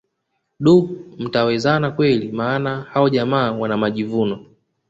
Duh mtawezana kweli maana hao jamaa wana majivuno